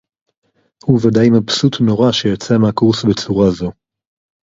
הוּא וַדָאִי מַבְּסוּט נוֹרָא שֶיָצָא מֵהַקוֹרֵס בְּצוּרָה זוֹ.